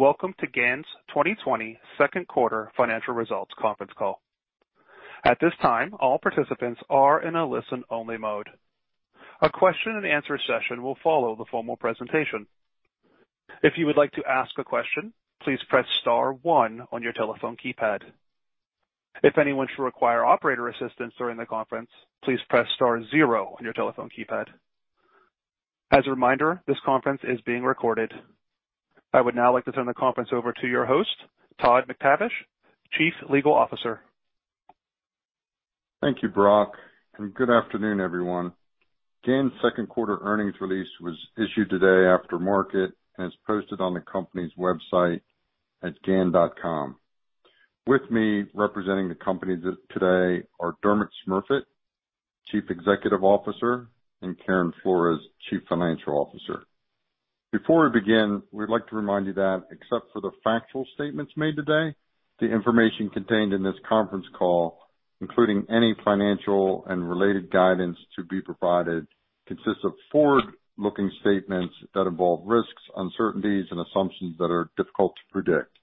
Greetings and welcome to GAN's 2020 Second Quarter Financial Results Conference Call. At this time, all participants are in a listen-only mode. A question-and-answer session will follow the formal presentation. If you would like to ask a question, please press star one on your telephone keypad. If anyone should require operator assistance during the conference, please press star zero on your telephone keypad. As a reminder, this conference is being recorded. I would now like to turn the conference over to your host, Todd McTavish, Chief Legal Officer. Thank you, Brock, and good afternoon, everyone. GAN's second quarter earnings release was issued today after market and is posted on the company's website at GAN.com. With me representing the company today are Dermot Smurfit, Chief Executive Officer, and Karen Flores, Chief Financial Officer. Before we begin, we'd like to remind you that except for the factual statements made today, the information contained in this conference call, including any financial and related guidance to be provided, consists of forward-looking statements that involve risks, uncertainties, and assumptions that are difficult to predict.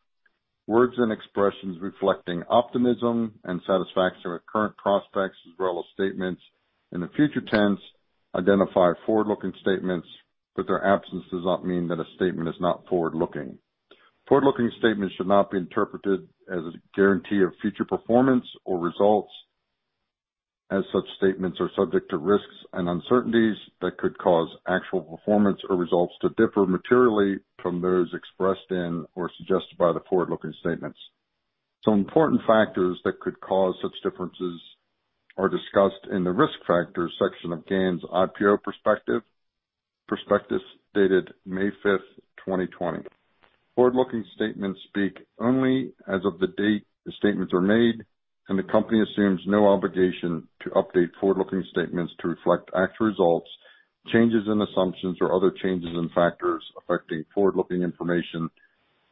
Words and expressions reflecting optimism and satisfaction with current prospects, as well as statements in the future tense, identify forward-looking statements, but their absence does not mean that a statement is not forward-looking. Forward-looking statements should not be interpreted as a guarantee of future performance or results, as such statements are subject to risks and uncertainties that could cause actual performance or results to differ materially from those expressed in or suggested by the forward-looking statements. Some important factors that could cause such differences are discussed in the risk factors section of GAN's IPO prospectus dated May 5th, 2020. Forward-looking statements speak only as of the date the statements are made, and the company assumes no obligation to update forward-looking statements to reflect actual results, changes in assumptions, or other changes in factors affecting forward-looking information,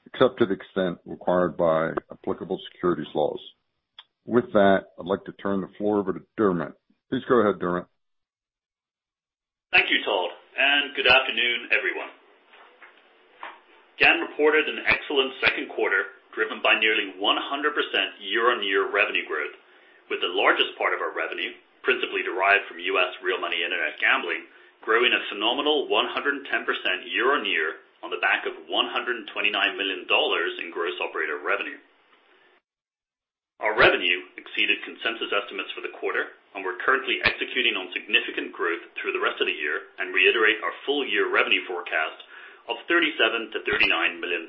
except to the extent required by applicable securities laws. With that, I'd like to turn the floor over to Dermot. Please go ahead, Dermot. Thank you, Todd. Good afternoon, everyone. GAN reported an excellent second quarter driven by nearly 100% year-on-year revenue growth, with the largest part of our revenue, principally derived from U.S. real money internet gambling, growing a phenomenal 110% year-on-year on the back of $129 million in gross operator revenue. Our revenue exceeded consensus estimates for the quarter, and we're currently executing on significant growth through the rest of the year and reiterate our full-year revenue forecast of $37-$39 million.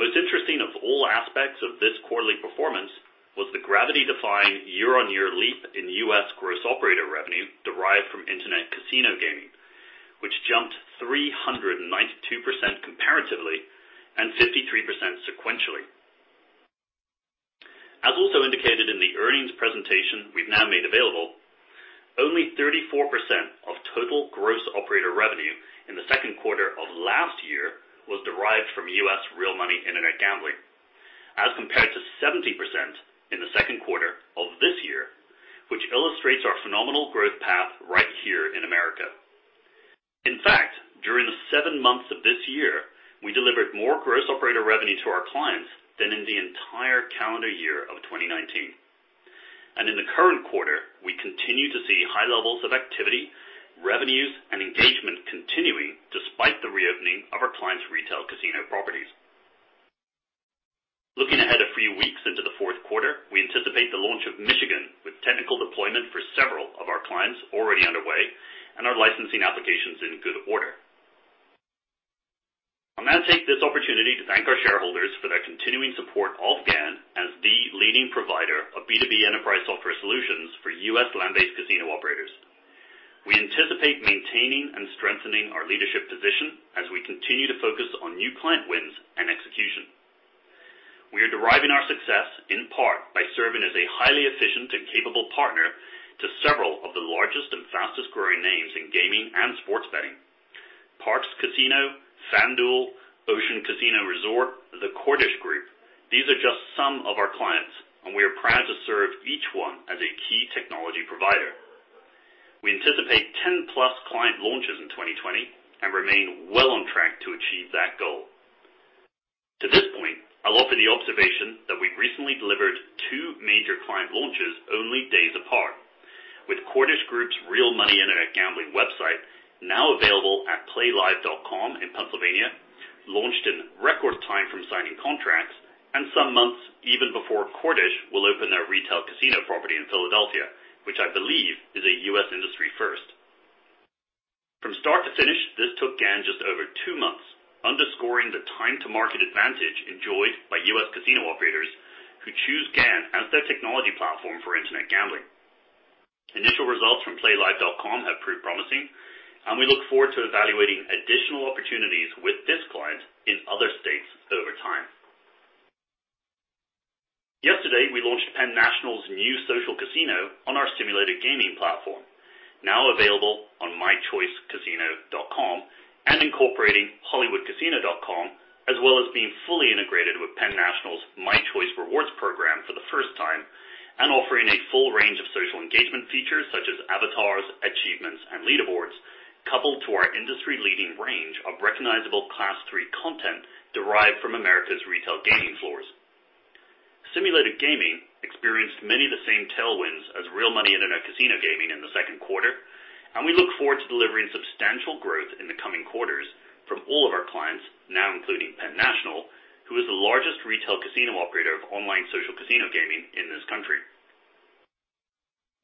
Most interesting of all aspects of this quarterly performance was the gravity-defying year-on-year leap in U.S. gross operator revenue derived from internet casino gaming, which jumped 392% comparatively and 53% sequentially. As also indicated in the earnings presentation we've now made available, only 34% of total gross operator revenue in the second quarter of last year was derived from U.S. Real money internet gambling, as compared to 70% in the second quarter of this year, which illustrates our phenomenal growth path right here in America. In fact, during the seven months of this year, we delivered more gross operator revenue to our clients than in the entire calendar year of 2019, and in the current quarter, we continue to see high levels of activity, revenues, and engagement continuing despite the reopening of our clients' retail casino properties. Looking ahead a few weeks into the fourth quarter, we anticipate the launch of Michigan, with technical deployment for several of our clients already underway and our licensing applications in good order. I'm going to take this opportunity to thank our shareholders for their continuing support of GAN as the leading provider of B2B enterprise software solutions for U.S. land-based casino operators. We anticipate maintaining and strengthening our leadership position as we continue to focus on new client wins and execution. We are deriving our success in part by serving as a highly efficient and capable partner to several of the largest and fastest-growing names in gaming and sports betting: Parx Casino, FanDuel, Ocean Casino Resort, The Cordish Companies. These are just some of our clients, and we are proud to serve each one as a key technology provider. We anticipate 10-plus client launches in 2020 and remain well on track to achieve that goal. To this point, I'll offer the observation that we've recently delivered two major client launches only days apart, with Cordish Group's real money internet gambling website now available at playlive.com in Pennsylvania, launched in record time from signing contracts, and some months even before Cordish will open their retail casino property in Philadelphia, which I believe is a U.S. industry first. From start to finish, this took GAN just over two months, underscoring the time-to-market advantage enjoyed by U.S. casino operators who choose GAN as their technology platform for internet gambling. Initial results from playlive.com have proved promising, and we look forward to evaluating additional opportunities with this client in other states over time. Yesterday, we launched Penn National's new social casino on our simulated gaming platform, now available on mychoicecasino.com and incorporating hollywoodcasino.com, as well as being fully integrated with Penn National's mychoice Rewards program for the first time and offering a full range of social engagement features such as avatars, achievements, and leaderboards, coupled to our industry-leading range of recognizable Class III content derived from America's retail gaming floors. Simulated gaming experienced many of the same tailwinds as real money internet casino gaming in the second quarter, and we look forward to delivering substantial growth in the coming quarters from all of our clients, now including Penn National, who is the largest retail casino operator of online social casino gaming in this country.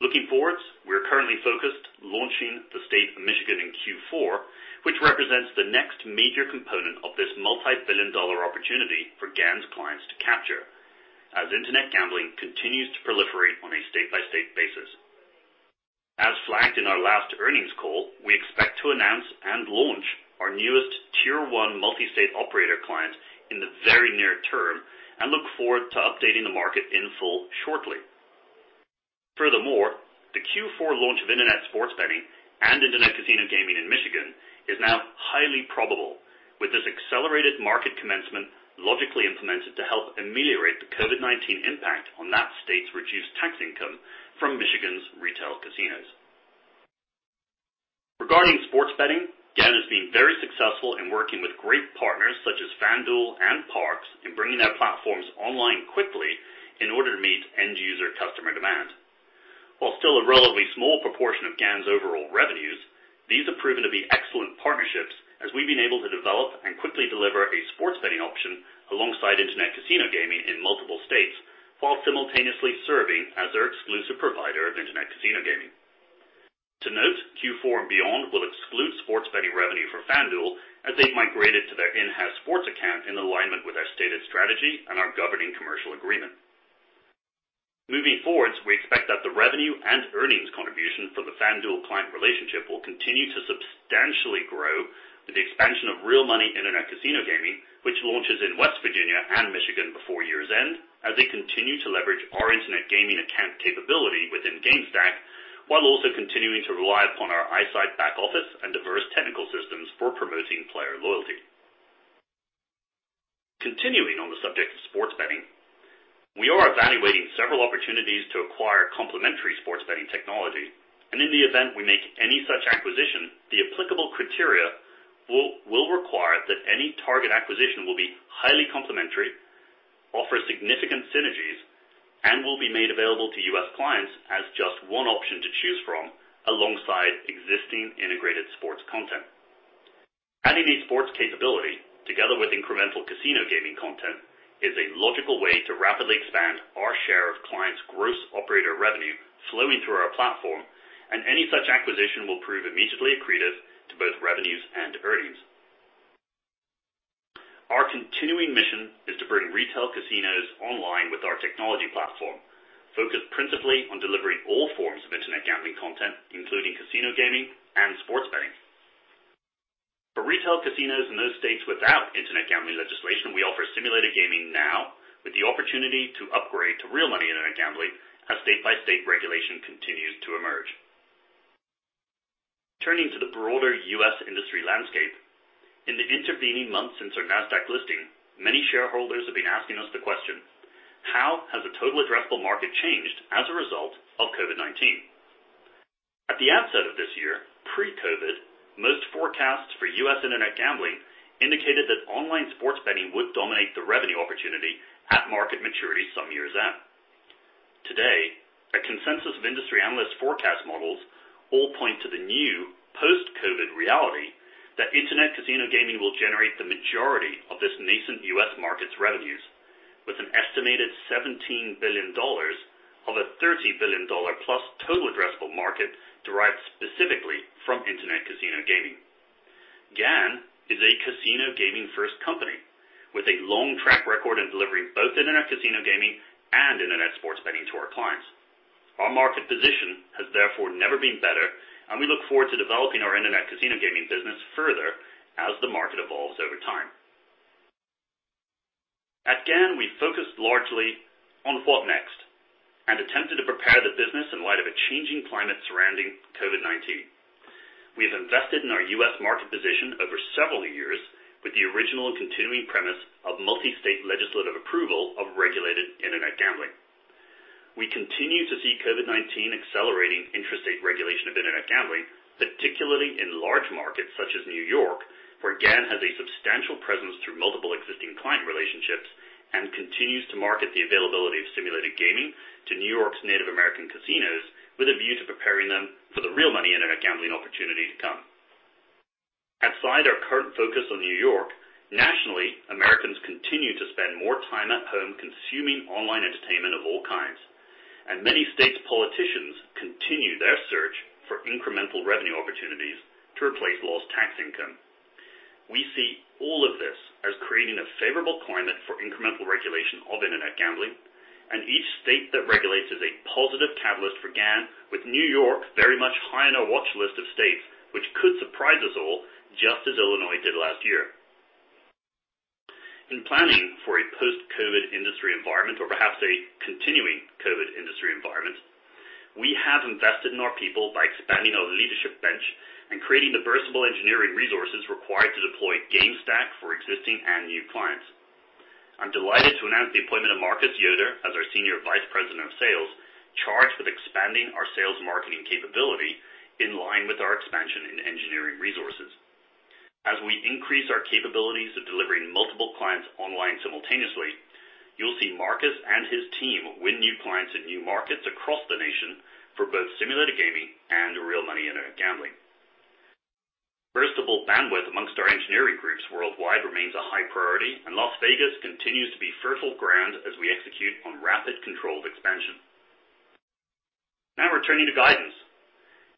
Looking forward, we are currently focused on launching the state of Michigan in Q4, which represents the next major component of this multi-billion-dollar opportunity for GAN's clients to capture as internet gambling continues to proliferate on a state-by-state basis. As flagged in our last earnings call, we expect to announce and launch our newest tier-one multi-state operator client in the very near term and look forward to updating the market in full shortly. Furthermore, the Q4 launch of internet sports betting and internet casino gaming in Michigan is now highly probable, with this accelerated market commencement logically implemented to help ameliorate the COVID-19 impact on that state's reduced tax income from Michigan's retail casinos. Regarding sports betting, GAN has been very successful in working with great partners such as FanDuel and Parx in bringing their platforms online quickly in order to meet end-user customer demand. While still a relatively small proportion of GAN's overall revenues, these have proven to be excellent partnerships as we've been able to develop and quickly deliver a sports betting option alongside internet casino gaming in multiple states while simultaneously serving as their exclusive provider of internet casino gaming. To note, Q4 and beyond will exclude sports betting revenue for FanDuel as they've migrated to their in-house sports account in alignment with our stated strategy and our governing commercial agreement. Moving forwards, we expect that the revenue and earnings contribution from the FanDuel client relationship will continue to substantially grow with the expansion of real money internet casino gaming, which launches in West Virginia and Michigan before year's end as they continue to leverage our internet gaming account capability within GameSTACK, while also continuing to rely upon our iSight back office and diverse technical systems for promoting player loyalty. Continuing on the subject of sports betting, we are evaluating several opportunities to acquire complementary sports betting technology, and in the event we make any such acquisition, the applicable criteria will require that any target acquisition will be highly complementary, offer significant synergies, and will be made available to U.S. clients as just one option to choose from alongside existing integrated sports content. Adding a sports capability together with incremental casino gaming content is a logical way to rapidly expand our share of clients' gross operator revenue flowing through our platform, and any such acquisition will prove immediately accretive to both revenues and earnings. Our continuing mission is to bring retail casinos online with our technology platform, focused principally on delivering all forms of internet gambling content, including casino gaming and sports betting. For retail casinos in those states without internet gambling legislation, we offer simulated gaming now with the opportunity to upgrade to real money internet gambling as state-by-state regulation continues to emerge. Turning to the broader U.S. industry landscape, in the intervening months since our NASDAQ listing, many shareholders have been asking us the question, "How has the total addressable market changed as a result of COVID-19?" At the outset of this year, pre-COVID, most forecasts for U.S. internet gambling indicated that online sports betting would dominate the revenue opportunity at market maturity some years out. Today, a consensus of industry analysts' forecast models all point to the new post-COVID reality that internet casino gaming will generate the majority of this nascent U.S. market's revenues, with an estimated $17 billion of a $30 billion-plus total addressable market derived specifically from internet casino gaming. GAN is a casino gaming-first company with a long track record in delivering both internet casino gaming and internet sports betting to our clients. Our market position has therefore never been better, and we look forward to developing our internet casino gaming business further as the market evolves over time. At GAN, we've focused largely on what next and attempted to prepare the business in light of a changing climate surrounding COVID-19. We have invested in our U.S. market position over several years with the original and continuing premise of multi-state legislative approval of regulated internet gambling. We continue to see COVID-19 accelerating interstate regulation of internet gambling, particularly in large markets such as New York, where GAN has a substantial presence through multiple existing client relationships and continues to market the availability of simulated gaming to New York's Native American casinos with a view to preparing them for the real money internet gambling opportunity to come. Outside our current focus on New York, nationally, Americans continue to spend more time at home consuming online entertainment of all kinds, and many states' politicians continue their search for incremental revenue opportunities to replace lost tax income. We see all of this as creating a favorable climate for incremental regulation of internet gambling, and each state that regulates is a positive catalyst for GAN, with New York very much high on our watchlist of states, which could surprise us all just as Illinois did last year. In planning for a post-COVID industry environment, or perhaps a continuing COVID industry environment, we have invested in our people by expanding our leadership bench and creating the versatile engineering resources required to deploy GameSTACK for existing and new clients. I'm delighted to announce the appointment of Marcus Yoder as our Senior Vice President of Sales, charged with expanding our sales marketing capability in line with our expansion in engineering resources. As we increase our capabilities of delivering multiple clients online simultaneously, you'll see Marcus and his team win new clients in new markets across the nation for both simulated gaming and real money internet gambling. Versatile bandwidth amongst our engineering groups worldwide remains a high priority, and Las Vegas continues to be fertile ground as we execute on rapid controlled expansion. Now returning to guidance,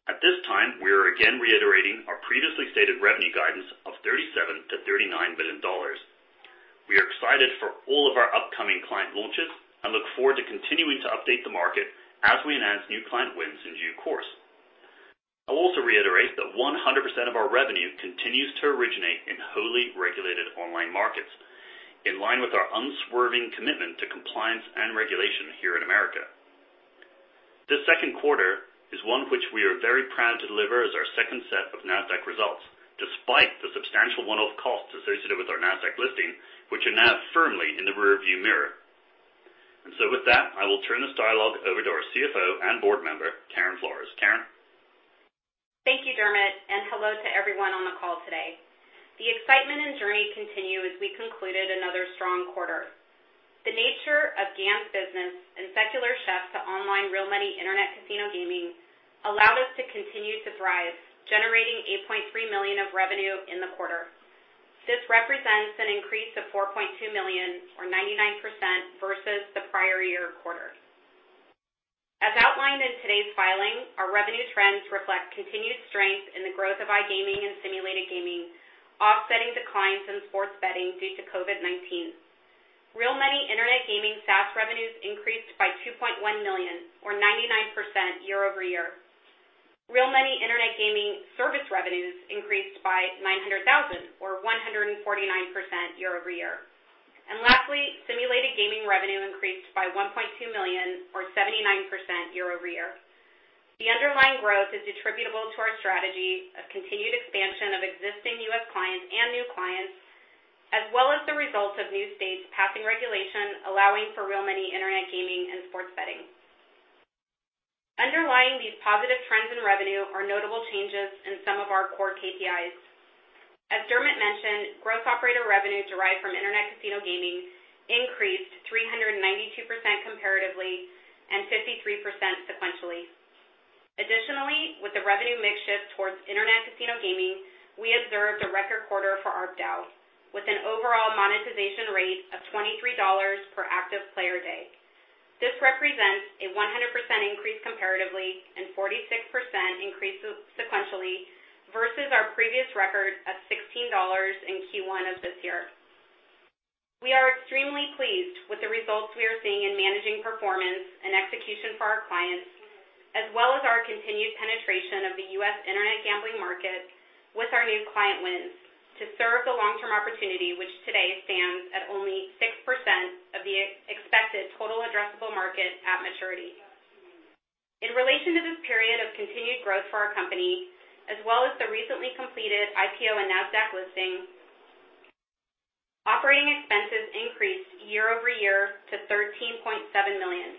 at this time, we are again reiterating our previously stated revenue guidance of $37-$39 million. We are excited for all of our upcoming client launches and look forward to continuing to update the market as we announce new client wins in due course. I'll also reiterate that 100% of our revenue continues to originate in wholly regulated online markets, in line with our unswerving commitment to compliance and regulation here in America. This second quarter is one which we are very proud to deliver as our second set of NASDAQ results, despite the substantial one-off costs associated with our NASDAQ listing, which are now firmly in the rearview mirror. And so with that, I will turn this dialogue over to our CFO and board member, Karen Flores. Karen. Thank you, Dermot, and hello to everyone on the call today. The excitement and journey continue as we concluded another strong quarter. The nature of GAN's business and secular shift to online real money internet casino gaming allowed us to continue to thrive, generating $8.3 million of revenue in the quarter. This represents an increase of $4.2 million, or 99%, versus the prior year quarter. As outlined in today's filing, our revenue trends reflect continued strength in the growth of iGaming and simulated gaming, offsetting declines in sports betting due to COVID-19. Real money internet gaming SaaS revenues increased by $2.1 million, or 99% year-over-year. Real money internet gaming service revenues increased by $900,000, or 149% year-over-year. And lastly, simulated gaming revenue increased by $1.2 million, or 79% year-over-year. The underlying growth is attributable to our strategy of continued expansion of existing U.S. Clients and new clients, as well as the result of new states passing regulation allowing for real money internet gaming and sports betting. Underlying these positive trends in revenue are notable changes in some of our core KPIs. As Dermot mentioned, gross operator revenue derived from internet casino gaming increased 392% comparatively and 53% sequentially. Additionally, with the revenue mix shift towards internet casino gaming, we observed a record quarter for ARPDAU, with an overall monetization rate of $23 per active player day. This represents a 100% increase comparatively and 46% increase sequentially versus our previous record of $16 in Q1 of this year. We are extremely pleased with the results we are seeing in managing performance and execution for our clients, as well as our continued penetration of the U.S. internet gambling market with our new client wins, to serve the long-term opportunity, which today stands at only 6% of the expected total addressable market at maturity. In relation to this period of continued growth for our company, as well as the recently completed IPO and NASDAQ listing, operating expenses increased year-over-year to $13.7 million.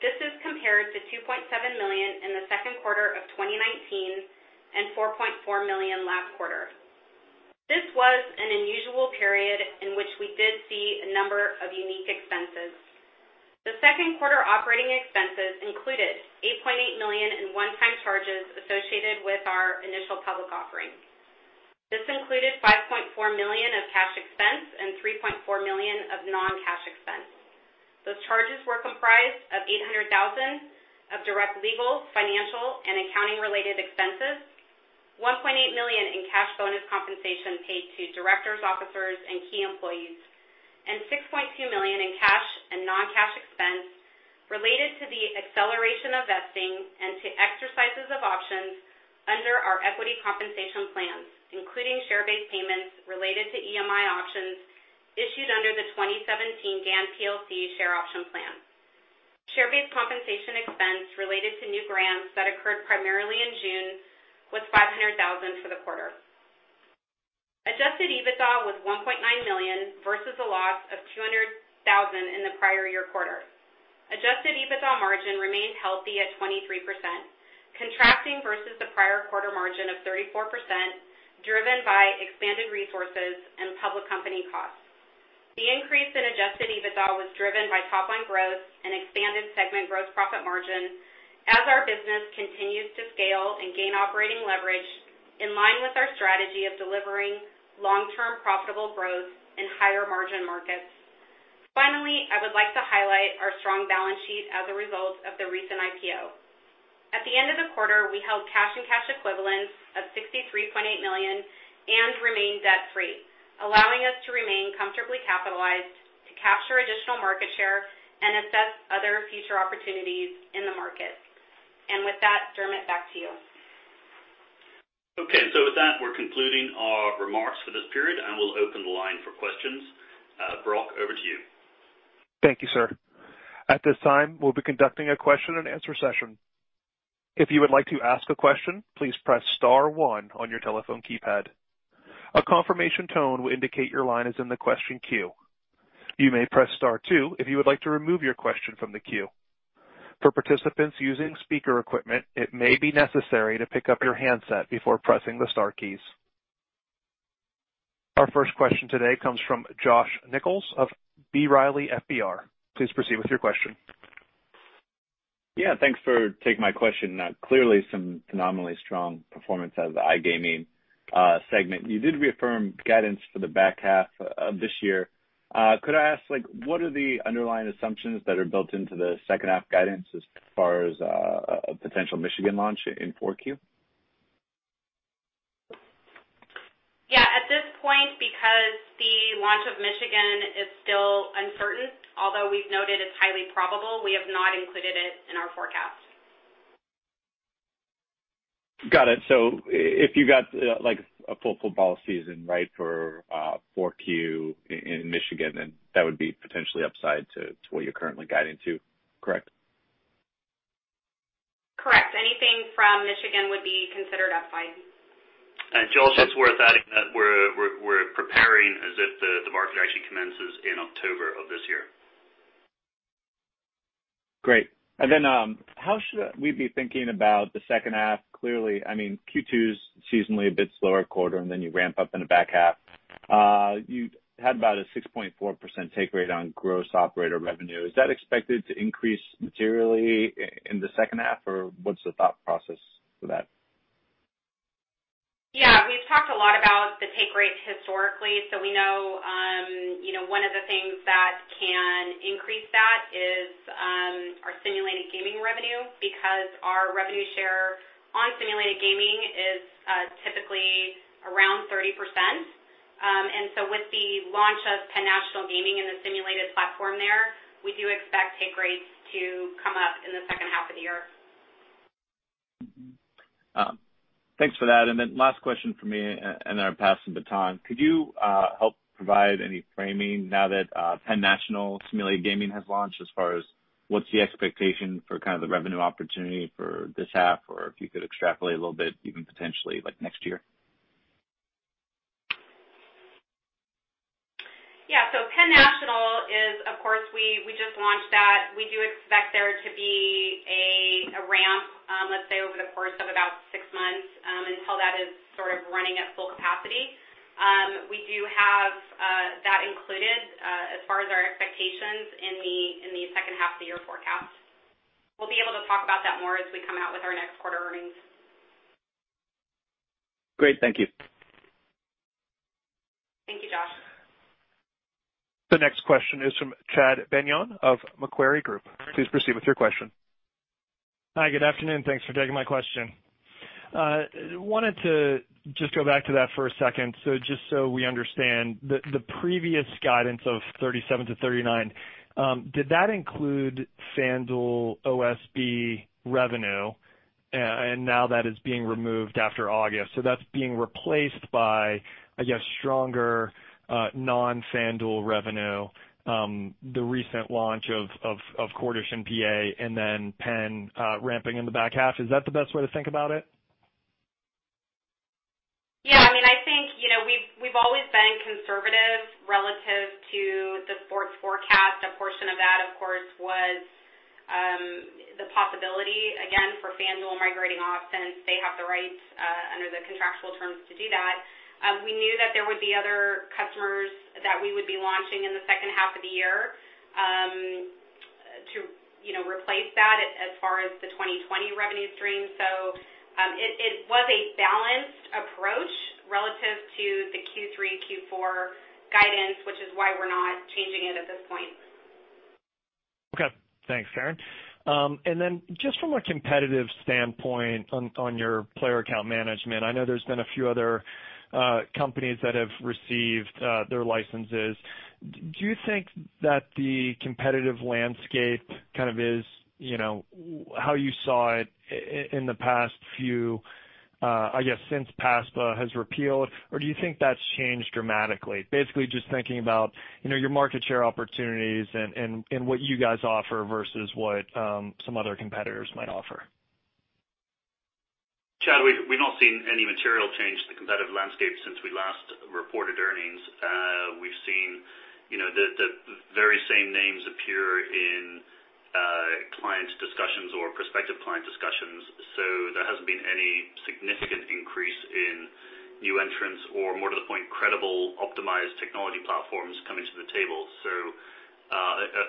This is compared to $2.7 million in the second quarter of 2019 and $4.4 million last quarter. This was an unusual period in which we did see a number of unique expenses. The second quarter operating expenses included $8.8 million in one-time charges associated with our initial public offering. This included $5.4 million of cash expense and $3.4 million of non-cash expense. Those charges were comprised of $800,000 of direct legal, financial, and accounting-related expenses, $1.8 million in cash bonus compensation paid to directors, officers, and key employees, and $6.2 million in cash and non-cash expense related to the acceleration of vesting and to exercises of options under our equity compensation plans, including share-based payments related to EMI options issued under the 2017 GAN PLC share option plan. Share-based compensation expense related to new grants that occurred primarily in June was $500,000 for the quarter. Adjusted EBITDA was $1.9 million versus a loss of $200,000 in the prior year quarter. Adjusted EBITDA margin remained healthy at 23%, contracting versus the prior quarter margin of 34%, driven by expanded resources and public company costs. The increase in Adjusted EBITDA was driven by top-line growth and expanded segment gross profit margin as our business continues to scale and gain operating leverage in line with our strategy of delivering long-term profitable growth in higher margin markets. Finally, I would like to highlight our strong balance sheet as a result of the recent IPO. At the end of the quarter, we held cash and cash equivalents of $63.8 million and remained debt-free, allowing us to remain comfortably capitalized to capture additional market share and assess other future opportunities in the market. And with that, Dermot, back to you. Okay. So with that, we're concluding our remarks for this period, and we'll open the line for questions. Brock, over to you. Thank you, sir. At this time, we'll be conducting a question-and-answer session. If you would like to ask a question, please press Star one on your telephone keypad. A confirmation tone will indicate your line is in the question queue. You may press Star two if you would like to remove your question from the queue. For participants using speaker equipment, it may be necessary to pick up your handset before pressing the Star keys. Our first question today comes from Josh Nichols of B. Riley FBR. Please proceed with your question. Yeah. Thanks for taking my question. Clearly, some phenomenally strong performance out of the iGaming segment. You did reaffirm guidance for the back half of this year. Could I ask, what are the underlying assumptions that are built into the second half guidance as far as a potential Michigan launch in Q4? Yeah. At this point, because the launch of Michigan is still uncertain, although we've noted it's highly probable, we have not included it in our forecast. Got it. So if you got a full football season, right, for Q4 in Michigan, then that would be potentially upside to what you're currently guiding to, correct? Correct. Anything from Michigan would be considered upside. And Josh, it's worth adding that we're preparing as if the market actually commences in October of this year. Great. And then how should we be thinking about the second half? Clearly, I mean, Q2 is seasonally a bit slower quarter, and then you ramp up in the back half. You had about a 6.4% take rate on gross operator revenue. Is that expected to increase materially in the second half, or what's the thought process for that? Yeah. We've talked a lot about the take rates historically, so we know one of the things that can increase that is our simulated gaming revenue because our revenue share on simulated gaming is typically around 30%. And so with the launch of Penn National Gaming and the simulated platform there, we do expect take rates to come up in the second half of the year. Thanks for that. And then last question for me, and then I'll pass it to Tom. Could you help provide any framing now that Penn National simulated gaming has launched as far as what's the expectation for kind of the revenue opportunity for this half, or if you could extrapolate a little bit, even potentially next year? Yeah. So Penn National is, of course, we just launched that. We do expect there to be a ramp, let's say, over the course of about six months until that is sort of running at full capacity. We do have that included as far as our expectations in the second half of the year forecast. We'll be able to talk about that more as we come out with our next quarter earnings. Great. Thank you. Thank you, Josh. The next question is from Chad Beynon of Macquarie Group. Please proceed with your question. Hi. Good afternoon. Thanks for taking my question. I wanted to just go back to that for a second. So just so we understand, the previous guidance of 37-39, did that include FanDuel, OSB revenue, and now that is being removed after August? That's being replaced by, I guess, stronger non-FanDuel revenue, the recent launch of Cordish in PA, and then Penn ramping in the back half. Is that the best way to think about it? Yeah. I mean, I think we've always been conservative relative to the sports forecast. A portion of that, of course, was the possibility, again, for FanDuel migrating off since they have the rights under the contractual terms to do that. We knew that there would be other customers that we would be launching in the second half of the year to replace that as far as the 2020 revenue stream. So it was a balanced approach relative to the Q3, Q4 guidance, which is why we're not changing it at this point. Okay. Thanks, Karen. And then just from a competitive standpoint on your player account management, I know there's been a few other companies that have received their licenses. Do you think that the competitive landscape kind of is how you saw it in the past few, I guess, since PASPA has repealed, or do you think that's changed dramatically? Basically, just thinking about your market share opportunities and what you guys offer versus what some other competitors might offer. Chad, we've not seen any material change in the competitive landscape since we last reported earnings. We've seen the very same names appear in clients' discussions or prospective client discussions. So there hasn't been any significant increase in new entrants or, more to the point, credible optimized technology platforms coming to the table. So,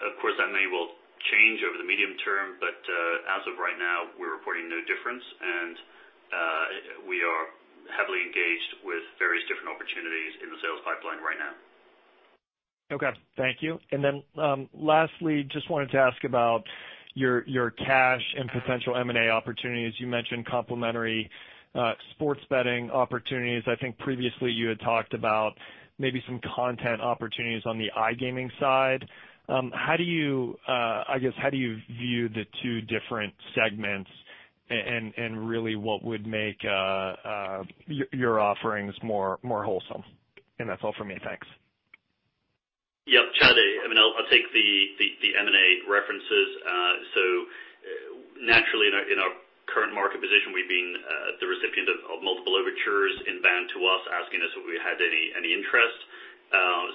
of course, that may well change over the medium term, but as of right now, we're reporting no difference, and we are heavily engaged with various different opportunities in the sales pipeline right now. Okay. Thank you. And then lastly, just wanted to ask about your cash and potential M&A opportunities. You mentioned complementary sports betting opportunities. I think previously you had talked about maybe some content opportunities on the iGaming side. How do you, I guess, how do you view the two different segments and really what would make your offerings more whole? And that's all for me. Thanks. Yep. Chad, I mean, I'll take the M&A references. So naturally, in our current market position, we've been the recipient of multiple overtures inbound to us asking us if we had any interest.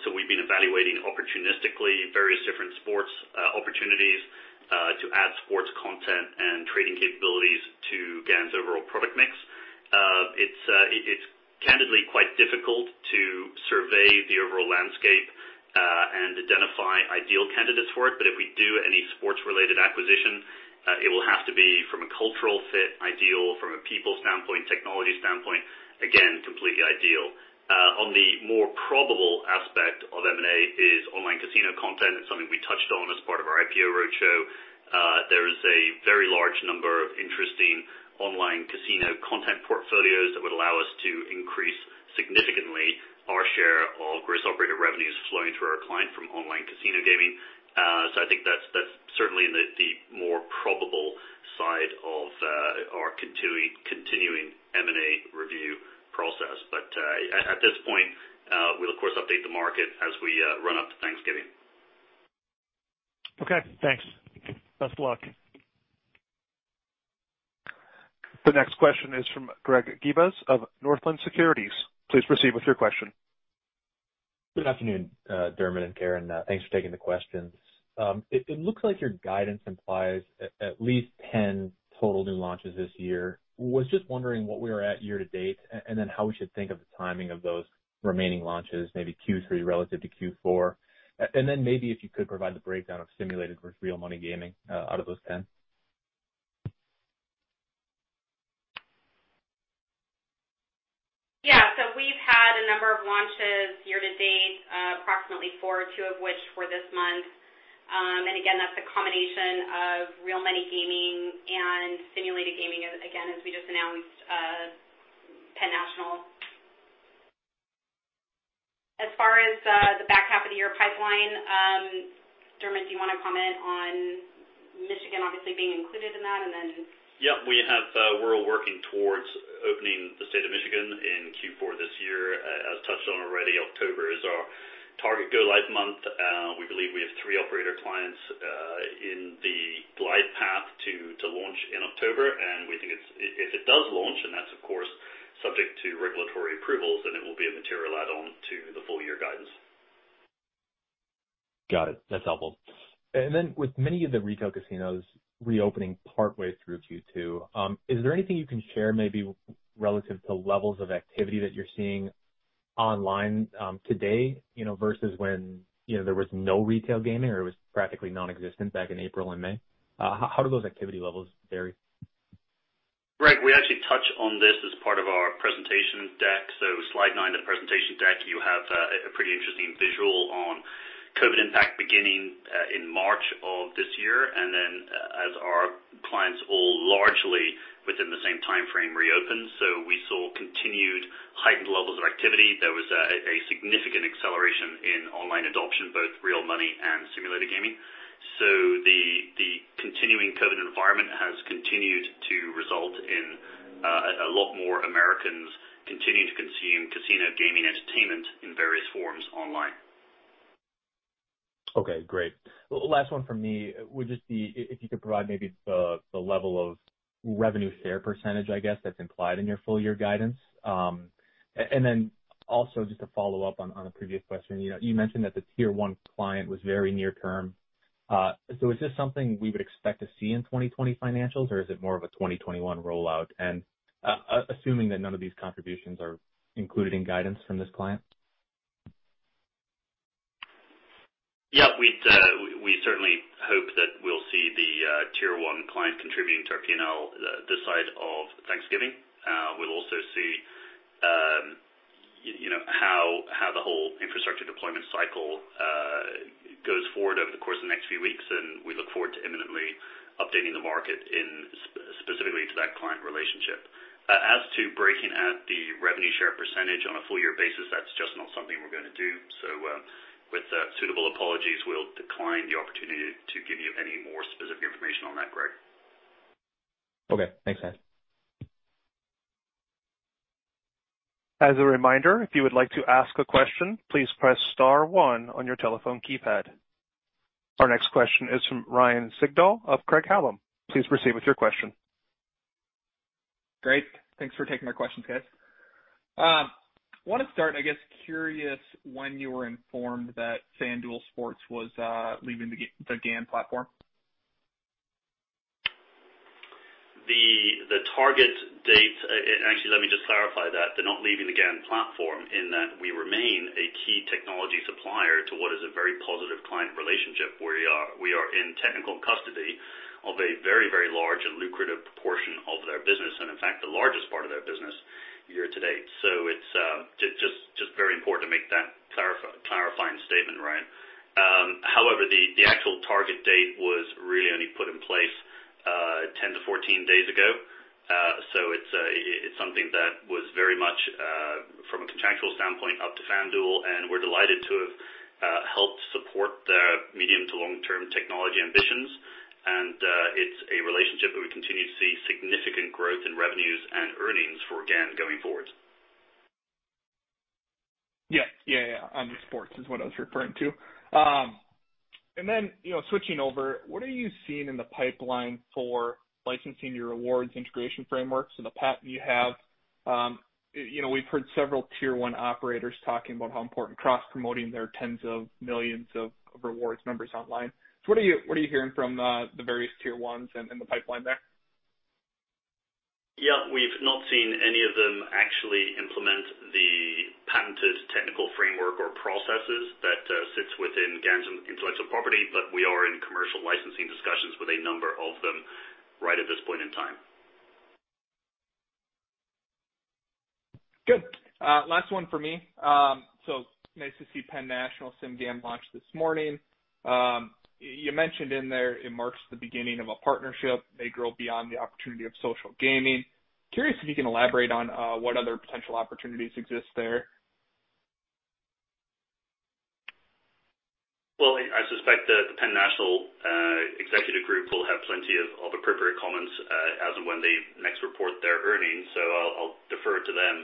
So we've been evaluating opportunistically various different sports opportunities to add sports content and trading capabilities to GAN's overall product mix. It's candidly quite difficult to survey the overall landscape and identify ideal candidates for it, but if we do any sports-related acquisition, it will have to be from a cultural fit ideal from a people standpoint, technology standpoint, again, completely ideal. On the more probable aspect of M&A is online casino content. It's something we touched on as part of our IPO roadshow. There is a very large number of interesting online casino content portfolios that would allow us to increase significantly our share of gross operator revenues flowing through our client from online casino gaming. So I think that's certainly in the more probable side of our continuing M&A review process. But at this point, we'll, of course, update the market as we run up to Thanksgiving. Okay. Thanks. Best of luck. The next question is from Greg Gibas of Northland Securities. Please proceed with your question. Good afternoon, Dermot and Karen. Thanks for taking the question. It looks like your guidance implies at least 10 total new launches this year. I was just wondering what we were at year to date and then how we should think of the timing of those remaining launches, maybe Q3 relative to Q4, and then maybe if you could provide the breakdown of simulated versus real money gaming out of those 10. Yeah. So we've had a number of launches year to date, approximately four, two of which were this month. And again, that's a combination of real money gaming and simulated gaming, again, as we just announced, Penn National. As far as the back half of the year pipeline, Dermot, do you want to comment on Michigan obviously being included in that, and then? Yep. We're all working towards opening the state of Michigan in Q4 this year. As touched on already, October is our target go-live month. We believe we have three operator clients in the live path to launch in October, and we think if it does launch, and that's, of course, subject to regulatory approvals, then it will be a material add-on to the full year guidance. Got it. That's helpful. And then with many of the retail casinos reopening partway through Q2, is there anything you can share maybe relative to levels of activity that you're seeing online today versus when there was no retail gaming or it was practically nonexistent back in April and May? How do those activity levels vary? Right. We actually touch on this as part of our presentation deck. So, slide nine of the presentation deck, you have a pretty interesting visual on COVID impact beginning in March of this year. And then as our clients all largely within the same timeframe reopened, so we saw continued heightened levels of activity. There was a significant acceleration in online adoption, both real money and simulated gaming. So the continuing COVID environment has continued to result in a lot more Americans continuing to consume casino gaming entertainment in various forms online. Okay. Great. Last one for me would just be if you could provide maybe the level of revenue share percentage, I guess, that's implied in your full year guidance. And then also just to follow up on a previous question, you mentioned that the Tier-one client was very near term. So is this something we would expect to see in 2020 financials, or is it more of a 2021 rollout, and assuming that none of these contributions are included in guidance from this client? Yep. We certainly hope that we'll see the tier one client contributing to our P&L this side of Thanksgiving. We'll also see how the whole infrastructure deployment cycle goes forward over the course of the next few weeks, and we look forward to imminently updating the market specifically to that client relationship. As to breaking out the revenue share percentage on a full year basis, that's just not something we're going to do. So with suitable apologies, we'll decline the opportunity to give you any more specific information on that, Greg. Okay. Thanks, guys. As a reminder, if you would like to ask a question, please press star one on your telephone keypad. Our next question is from Ryan Sigdahl of Craig-Hallum. Please proceed with your question. Great. Thanks for taking my questions, guys. I want to start, I guess, curious when you were informed that FanDuel was leaving the GAN platform. The target date, and actually, let me just clarify that. They're not leaving the GAN platform in that we remain a key technology supplier to what is a very positive client relationship. We are in technical custody of a very, very large and lucrative portion of their business, and in fact, the largest part of their business year to date. So it's just very important to make that clarifying statement, right? However, the actual target date was really only put in place 10-14 days ago. So it's something that was very much from a contractual standpoint up to FanDuel, and we're delighted to have helped support their medium to long-term technology ambitions. And it's a relationship that we continue to see significant growth in revenues and earnings for GAN going forward. Yeah. And sports is what I was referring to. And then switching over, what are you seeing in the pipeline for licensing your rewards integration frameworks and the patent you have? We've heard several tier-one operators talking about how important cross-promoting their tens of millions of rewards members online. So what are you hearing from the various tier-ones and the pipeline there? Yeah. We've not seen any of them actually implement the patented technical framework or processes that sits within GAN's intellectual property, but we are in commercial licensing discussions with a number of them right at this point in time. Good. Last one for me. So nice to see Penn National sim gaming launch this morning. You mentioned in there it marks the beginning of a partnership. They grow beyond the opportunity of social gaming. Curious if you can elaborate on what other potential opportunities exist there. Well, I suspect the Penn National executive group will have plenty of appropriate comments as and when they next report their earnings. So I'll defer to them,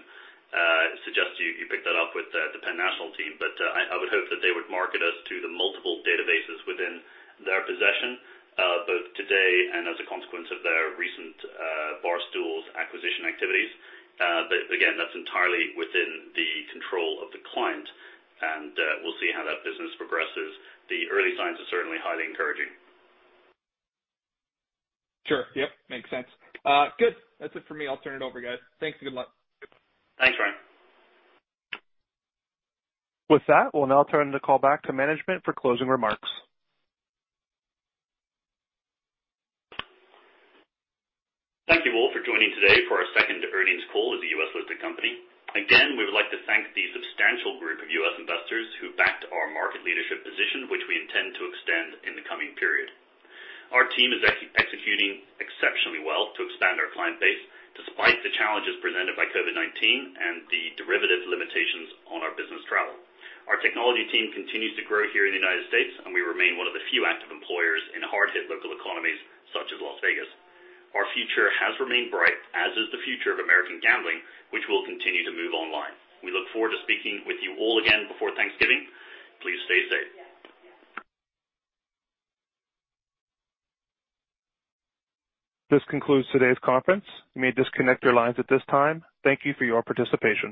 suggest you pick that up with the Penn National team. But I would hope that they would market us to the multiple databases within their possession, both today and as a consequence of their recent Barstool acquisition activities. But again, that's entirely within the control of the client, and we'll see how that business progresses. The early signs are certainly highly encouraging. Sure. Yep. Makes sense. Good. That's it for me. I'll turn it over, guys. Thanks. Good luck. Thanks, Ryan. With that, we'll now turn the call back to management for closing remarks. Thank you all for joining today for our second earnings call as a U.S.-listed company. Again, we would like to thank the substantial group of U.S. investors who backed our market leadership position, which we intend to extend in the coming period. Our team is executing exceptionally well to expand our client base despite the challenges presented by COVID-19 and the derivative limitations on our business travel. Our technology team continues to grow here in the United States, and we remain one of the few active employers in hard-hit local economies such as Las Vegas. Our future has remained bright, as is the future of American gambling, which will continue to move online. We look forward to speaking with you all again before Thanksgiving. Please stay safe. This concludes today's conference. You may disconnect your lines at this time. Thank you for your participation.